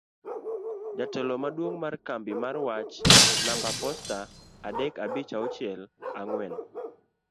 Jatelo Maduong' mar Kambi mar Wach namba mar posta adek abich auchiel ang'we